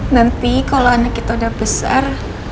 nanti kalau anak kita udah besar